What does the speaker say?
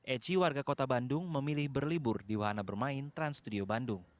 eci warga kota bandung memilih berlibur di wahana bermain trans studio bandung